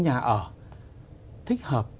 nhà ở thích hợp